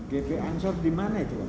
gp ansor dimana itu